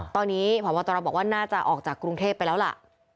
ตอนนี้พบตรบอกว่าน่าจะออกจากกรุงเทพไปแล้วล่ะ